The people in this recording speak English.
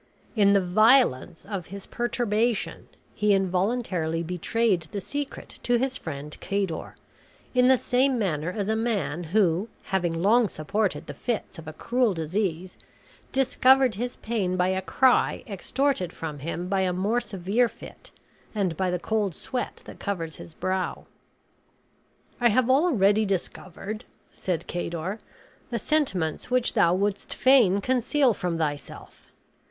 In the violence of his perturbation he involuntarily betrayed the secret to his friend Cador, in the same manner as a man who, having long supported the fits of a cruel disease, discovered his pain by a cry extorted from him by a more severe fit and by the cold sweat that covers his brow. "I have already discovered," said Cador, "the sentiments which thou wouldst fain conceal from thyself.